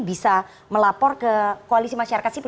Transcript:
bisa melapor ke koalisi masyarakat sipil